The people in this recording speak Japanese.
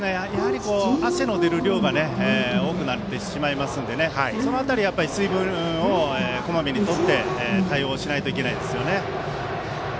汗の出る量が多くなってしまいますのでその辺り、水分をこまめにとって対応しないといけないですね。